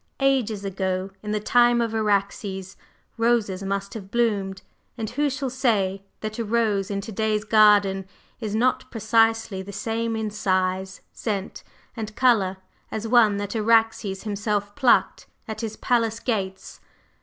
Ages ago, in the time of Araxes, roses must have bloomed; and who shall say that a rose in to day's garden is not precisely the same in size, scent and color as one that Araxes himself plucked at his palace gates?